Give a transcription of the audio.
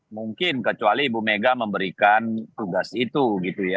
mungkin kecuali ibu mega memberikan tugas itu gitu ya